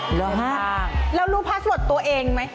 เหรอครับเปล่าแล้วรู้พาสโวทิดตัวเองไหม